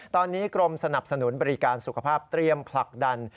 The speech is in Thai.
ตอนนี้กรมสนับสนุนบริการสุขภาพเตรียมผลักดัน